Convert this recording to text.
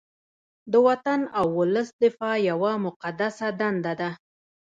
د وطن او ولس دفاع یوه مقدسه دنده ده